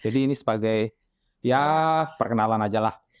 jadi ini sebagai ya perkenalan aja lah